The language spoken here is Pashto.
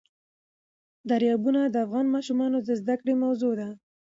دریابونه د افغان ماشومانو د زده کړې موضوع ده.